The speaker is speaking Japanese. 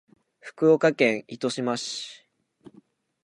福岡県糸島市